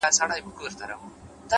ماسومان زموږ وېريږي ورځ تېرېږي”